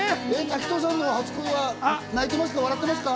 滝藤さんの初恋は泣いてますか？